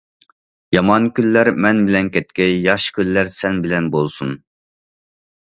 يامان كۈنلەر مەن بىلەن كەتكەي، ياخشى كۈنلەر سەن بىلەن بولسۇن.